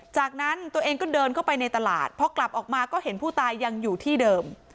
จากนั้นตัวเองก็เดินเข้าไปในตลาดพอกลับออกมาก็เห็นผู้ตายยังอยู่ที่เดิม